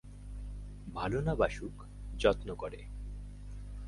ভালো না বাসুক, যত্ন করে।